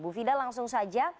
ibu fida langsung saja